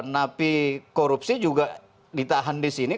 nabi korupsi juga ditahan disini